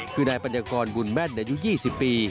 คือนายปัญญากรบุญแม่นอายุ๒๐ปี